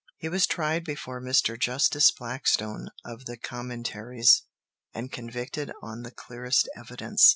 He was tried before Mr. Justice Blackstone of the Commentaries, and convicted on the clearest evidence.